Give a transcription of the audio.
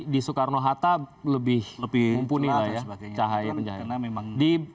di soekarno hatta lebih mumpuni lah ya cahaya pencahaya